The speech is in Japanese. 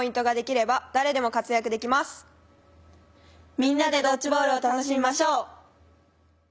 みんなでドッジボールを楽しみましょう！